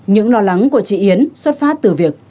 những lo lắng của chị yến xuất phát từ việc